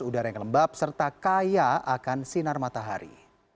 udara yang lembab serta kaya akan sinar matahari